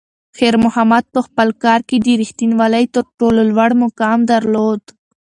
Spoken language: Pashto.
خیر محمد په خپل کار کې د رښتونولۍ تر ټولو لوړ مقام درلود.